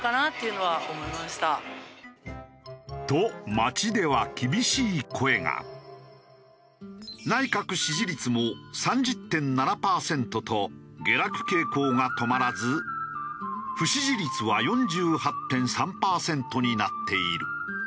岸田総理は。と内閣支持率も３０．７パーセントと下落傾向が止まらず不支持率は４８．３パーセントになっている。